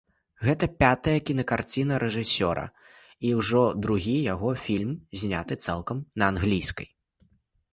Гэта пятая кінакарціна рэжысёра і ўжо другі яго фільм, зняты цалкам на англійскай.